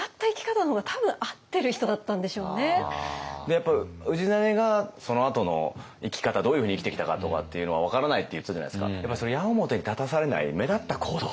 やっぱ氏真がそのあとの生き方どういうふうに生きてきたかとかっていうのは分からないって言ってたじゃないですか。